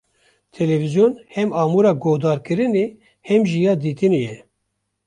Televizyon hem amûra guhdarkirinê, hem jî ya dîtinê ye.